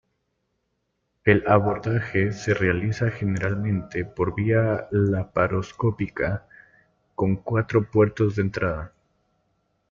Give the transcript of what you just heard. El abordaje se realiza generalmente por vía laparoscópica, con cuatro puertos de entrada.